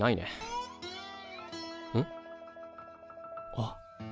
あっ。